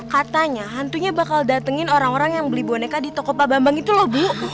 katanya hantunya bakal datangin orang orang yang beli boneka di toko pak bambang itu loh bu